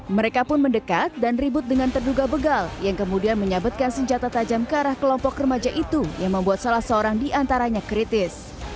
mereka pun mendekat dan ribut dengan terduga begal yang kemudian menyabetkan senjata tajam ke arah kelompok remaja itu yang membuat salah seorang diantaranya kritis